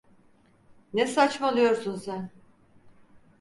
Ne saçmalıyorsun sen?